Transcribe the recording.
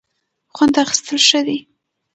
خوند اخیستل ښه دی.